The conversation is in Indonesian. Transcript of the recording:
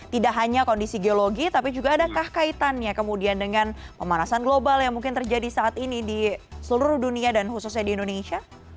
tidak hanya kondisi geologi tapi juga adakah kaitannya kemudian dengan pemanasan global yang mungkin terjadi saat ini di seluruh dunia dan khususnya di indonesia